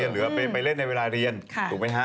หรือไปเล่นในเวลาเรียนถูกไหมฮะ